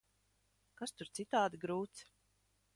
Kas tur citādi grūts?